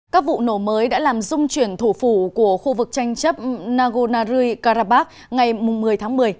các vụ nổ mới đã làm dung chuyển thủ phủ của khu vực tranh chấp nagunaru karabakh ngày một mươi tháng một mươi